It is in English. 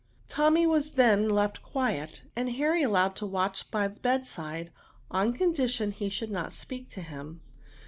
Tommy was then left quiet ; and Harry allowed to watch by the bedside, on condi tion he should not speak to him.